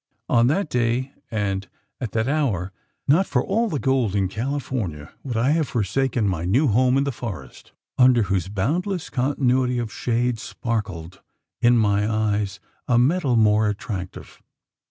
On that day, and at that hour, not for all the gold in California would I have forsaken my new home in the forest under whose "boundless contiguity of shade" sparkled, in my eyes, "a metal more attractive."